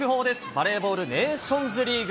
バレーボールネーションズリーグ。